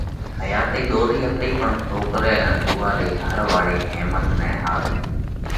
حياتئِي ۮورئِي هتئِي پڻ سوڪرئہ ان اُوئا رِي گھر واۯِي هيمت نہ هارئِي۔